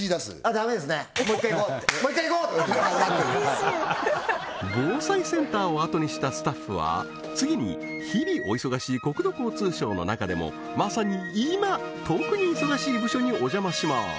ダメですねもう一回いこうって防災センターをあとにしたスタッフは次に日々お忙しい国土交通省の中でもまさに今特に忙しい部署にお邪魔します